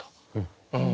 うん。